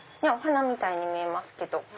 お花みたいに見えますけど。